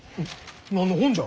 何の本じゃ？